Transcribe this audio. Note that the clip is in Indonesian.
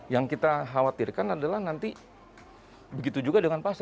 yang kita khawatirkan adalah nanti begitu juga dengan pasar